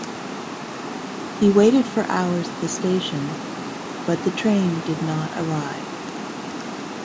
He waited for hours at the station, but the train did not arrive.